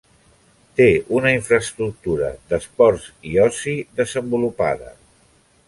Té una infraestructura d'esports i oci desenvolupada.